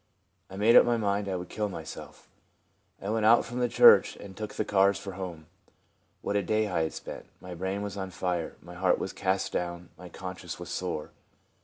I made up my mind I would kill myself. I went out from the church and took the cars for home. What a day I had spent. My brain was on fire. My heart was cast down. My conscience was sore.